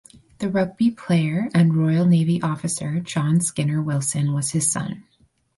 The rugby player and Royal Navy officer John Skinner Wilson was his son.